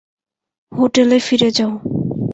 হোটেলে ফিরে যাও।